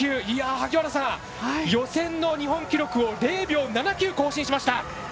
萩原さん、予選の日本記録を０秒７９更新しました。